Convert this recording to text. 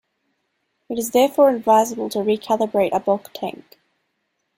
It is therefore advisable to re-calibrate a bulk tank.